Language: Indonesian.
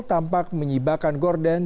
tampak menyibakan gordon